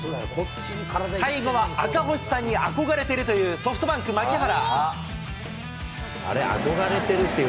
最後は、赤星さんに憧れているというソフトバンク、牧原。